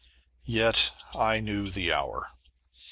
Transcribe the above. Yet I knew the hour.